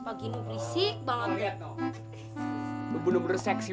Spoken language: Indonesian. bener bener seksi banget lah bodi lu bener bener mantap